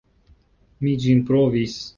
Mi ĝin provis.